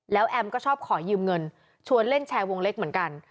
แล้วแอมก็ชอบขอยืมเงินชวนเล่นแชร์วงเล็กเหมือนกัน